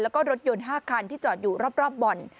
แล้วก็รถยนต์๕คันที่จอดอยู่รอบบ่อน